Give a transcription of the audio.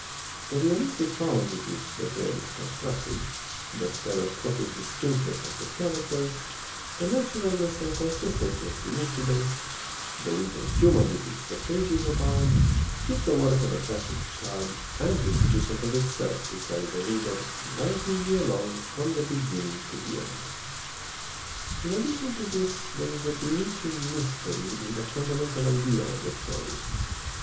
The realistic power with which the tale is constructed, the stereoscopic distinctness of the characters, the natu ralness and consistency of the incidents, the wit and humor with which the pages abound, give the work an attractive charm amply sufficient of itself to carry the reader delightedly along from the beginning to the end. In addition to this there is a bewitching mystery in the fundamental idea of the story.